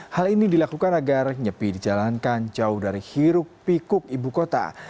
hal ini dilakukan agar nyepi dijalankan jauh dari hiruk pikuk ibu kota